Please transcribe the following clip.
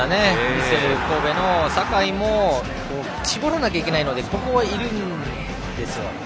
ヴィッセル神戸の酒井も絞らないといけないのでここはいるんですよ。